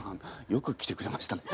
よく来てくれましたね。